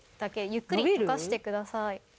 ゆっくりとかしてください。